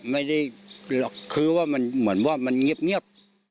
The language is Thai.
ไม่ได้หรอกคือว่ามันเหมือนว่ามันเงียบ